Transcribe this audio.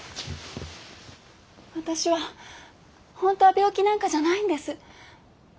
私は本当は病気なんかじゃないんです。